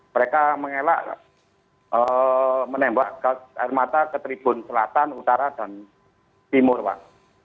mereka mengelak menembak air mata ke tribun selatan utara dan timur pak